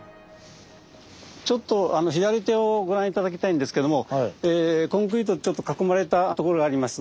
ちょっと左手をご覧頂きたいんですけどもコンクリートでちょっと囲まれたところがあります。